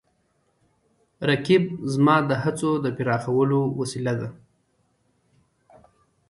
رقیب زما د هڅو د پراخولو وسیله ده